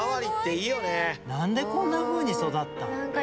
何でこんなふうに育った？